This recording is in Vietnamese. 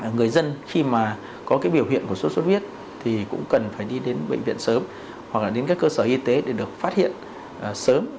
người dân khi mà có biểu hiện của sốt xuất huyết thì cũng cần phải đi đến bệnh viện sớm hoặc là đến các cơ sở y tế để được phát hiện sớm